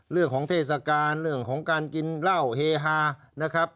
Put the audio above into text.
เทศกาลเรื่องของการกินเหล้าเฮฮานะครับ